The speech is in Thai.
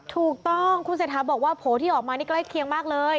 ถูกต้องคุณเศรษฐาบอกว่าโผล่ที่ออกมานี่ใกล้เคียงมากเลย